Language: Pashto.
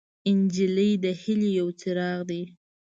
نجلۍ د هیلې یو څراغ دی.